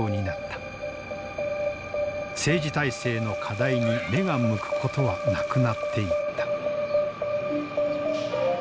政治体制の課題に目が向くことはなくなっていった。